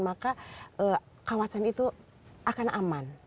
maka kawasan itu akan aman